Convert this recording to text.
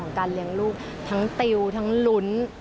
การเลี้ยงลูกทั้งติวทั้งลุ้น